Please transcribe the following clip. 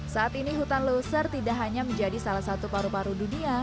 saat ini hutan loser tidak hanya menjadi salah satu paru paru dunia